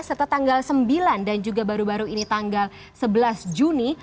serta tanggal sembilan dan juga baru baru ini tanggal sebelas juni